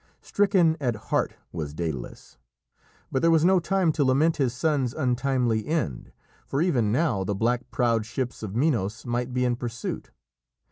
Stricken at heart was Dædalus, but there was no time to lament his son's untimely end, for even now the black prowed ships of Minos might be in pursuit.